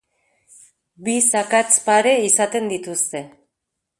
Bi zakatz pare izaten dituzte.